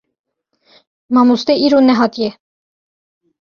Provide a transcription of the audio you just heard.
Mamoste îro nehatiye.